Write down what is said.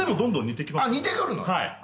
似てくるのね。